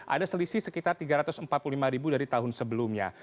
ada selisih sekitar tiga ratus empat puluh lima ribu dari tahun sebelumnya